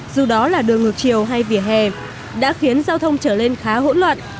dù đó là đường ngược chiều hay vỉa hè đã khiến giao thông trở lên khá hỗn loạn